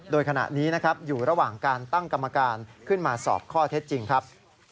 โดยขณะนี้นะครับอยู่ระหว่างการตั้งกรรมการขึ้นมาสอบข้อเท็จจริงครับ